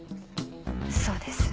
そうです。